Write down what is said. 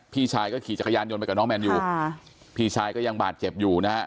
พี่ชายก็ขี่จักรยานยนต์ไปกับน้องแมนยูค่ะพี่ชายก็ยังบาดเจ็บอยู่นะฮะ